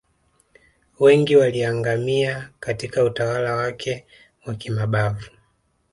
wengi waliangamia Katika utawala wake wa kimabavu